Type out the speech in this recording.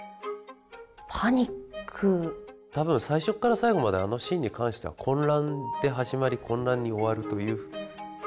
多分最初から最後まであのシーンに関しては混乱で始まり混乱に終わるという。